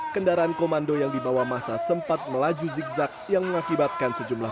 kendaraan komando yang dibawa masa sempat melaju zigzag yang mengakibatkan sejumlah